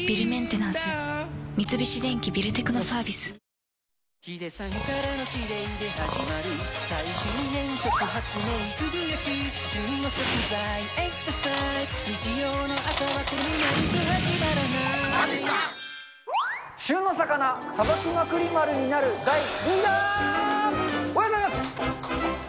おはようございます！